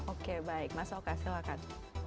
oke baik mas oka silahkan